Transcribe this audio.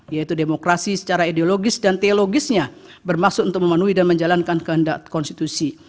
yaitu demokrasi secara ideologis dan teologisnya bermaksud untuk memenuhi dan menjalankan kehendak konstitusi